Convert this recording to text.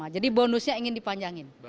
jadi bonusnya ingin dipanjangin